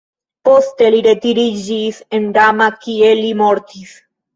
Poste li retiriĝis en Rama kie li mortis.